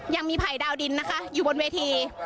ยังมีภัยดาวดินนะคะอยู่บนเวที